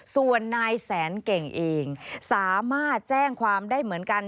ส่วนนายแสนเก่งเองสามารถแจ้งความได้เหมือนกัน